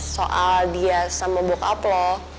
soal dia sama bokap lo